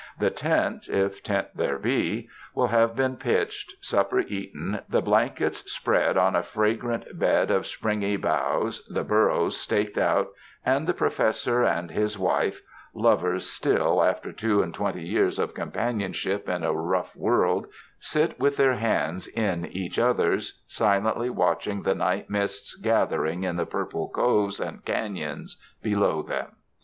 The tent, if tent there be, will have been pitched, supper eaten, the blankets spread on a fragrant bed of springy boughs, the burros staked out, and the Professor and his wife — lovers still 73 UNDER THE SKY IN CALIFORNIA after two and twenty years of companionship in a rough world — sit with their hands in each other's, silently watching the night mists gathering in the purple coves and canons below them.